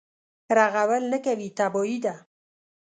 رغول نه کوي تباهي ده.